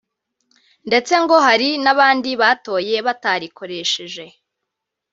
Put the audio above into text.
ndetse ngo hari n’abandi batoye batarikoresheje